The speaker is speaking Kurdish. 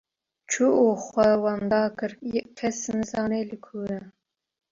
Çû û xwe wenda kir, kes nizane li ku ye.